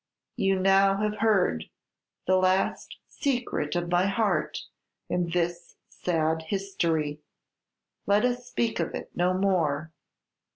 "You now have heard the last secret of my heart in this sad history. Let us speak of it no more."